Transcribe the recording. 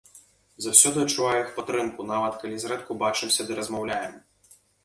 Заўсёды адчуваю іх падтрымку, нават калі зрэдку бачымся ды размаўляем.